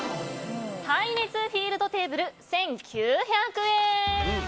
耐熱フィールドテーブル１９００円。